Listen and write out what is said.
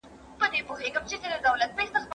رسول الله ته ئې وويل.